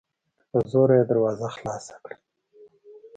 په زور یې دروازه خلاصه کړه